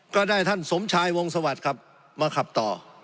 ก็ได้ท่านสมชายวงสวัสดิ์ครับมาขับต่อ